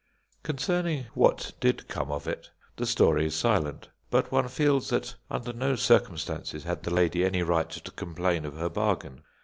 Concerning what did come of it, the story is silent, but one feels that under no circumstances had the lady any right to complain of her bargain.